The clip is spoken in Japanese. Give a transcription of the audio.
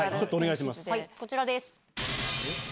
こちらです。